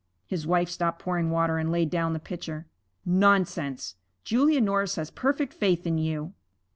_' His wife stopped pouring water and laid down the pitcher. 'Nonsense. Julia Norris has perfect faith in you.'